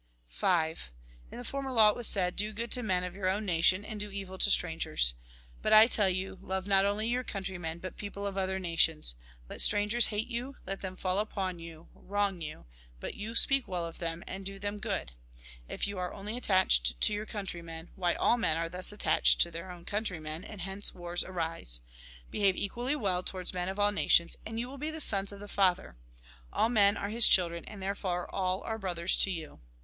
In the former law it was said :" Do good to men of your own nation, and do evil to strangers." But I tell you, love not only your own country men, but people of other nations. Let strangers hate you, let them fall upon you, wrong you ; but Mt. vii. 1. 3. Lk. vi. 39. Mt. vii. 6. GOD'S KINGDOM 55 vii. 12. vi. 1. you speak well of them, and do them good. If you are only attached to your countrymen, why, all men are thus attached to their own countrymen, and hence wars arise. Behave equally well towards men of all nations, and you will be the sons of the Father. All men are His children, and therefore all are brothers to you.